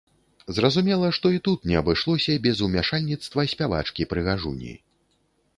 Зразумела, што і тут не абышлося без умяшальніцтва спявачкі-прыгажуні.